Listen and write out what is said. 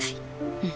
うん。